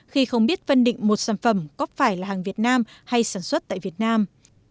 khi không biết phân định một sản phẩm có phải là hàng việt nam hay sản xuất tại việt nam